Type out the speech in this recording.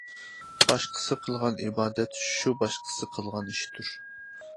باشقىسى قىلغان ئىبادەت شۇ باشقىسى قىلغان ئىشتۇر.